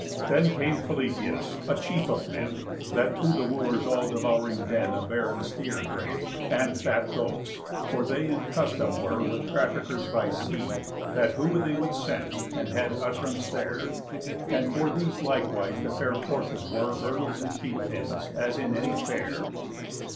Then came Philœtius, a chief of men, That to the Wooers' all devouring den A barren steer drave, and fat goats; for they In custom were with traffickers by sea, That who they would sent, and had utt'rance there. And for these likewise the fair porches were Hurdles and sheep pens, as in any fair.